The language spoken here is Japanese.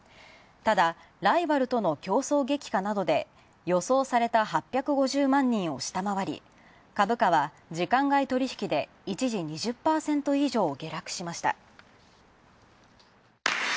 ただ、ライバルとの競争激化などで予想された８５０万人を下回り株価は時間外取引で一時２０％以上下落しました。